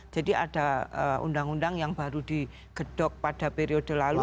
jadi ada undang undang yang baru digedok pada periode lalu